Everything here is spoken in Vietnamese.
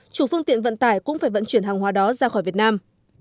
chủ phương tiện vận tải cũng phải vận chuyển hàng hóa đó ra khỏi việt nam